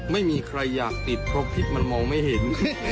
ไม่มีใครอยากติดเพราะพิษมันมองไม่เห็น